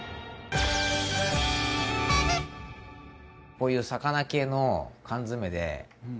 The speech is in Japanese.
こういう魚系の缶詰で。